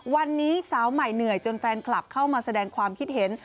วันนี้สาวใหม่เหนื่อยจนแฟนคลับเข้ามาแสดงความคิดเห็น